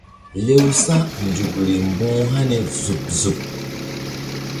Lew sa̧nzukri mbu̧h hani zuɓ zuɓ.